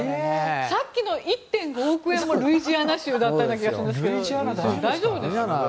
さっきの１．５億円はルイジアナ州だった気がするんですが大丈夫ですか。